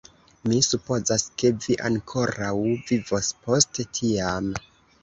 Mi supozas, ke vi ankoraŭ vivos post tiam.